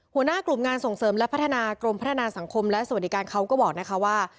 หัวหน้ากลุ่มงานส่งเสริมและพัฒนากรมพัฒนาสังคมและสวัสดิการเขาก็บอกนะคะว่า